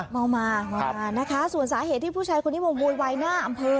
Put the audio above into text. เมามาเมามานะคะส่วนสาเหตุที่ผู้ชายคนนี้มาโวยวายหน้าอำเภอ